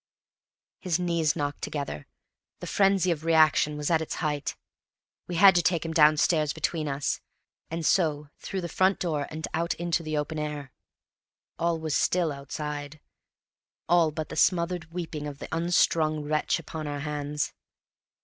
His knees knocked together: the frenzy of reaction was at its height. We had to take him downstairs between us, and so through the front door out into the open air. All was still outside all but the smothered weeping of the unstrung wretch upon our hands.